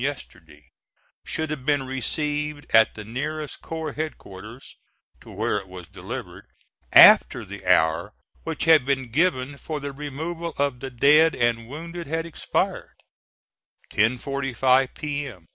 yesterday should have been received at the nearest corps headquarters, to where it was delivered, after the hour which had been given for the removal of the dead and wounded had expired; 10.45 P.M.